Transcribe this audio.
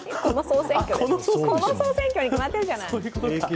この総選挙に決まってるじゃない。